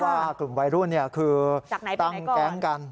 ว่ากลุ่มวัยรุ่นคือตั้งแก๊งกัน